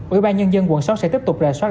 ủy ban nhân dân quận sáu sẽ tiếp tục rà soát